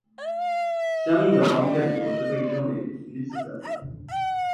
相应的方阵有时被称为余子阵。